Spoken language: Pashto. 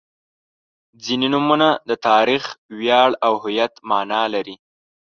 • ځینې نومونه د تاریخ، ویاړ او هویت معنا لري.